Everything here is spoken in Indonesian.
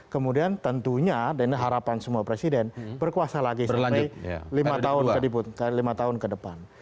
kemudian tentunya harapan semua presiden berkuasa lagi sampai lima tahun ke depan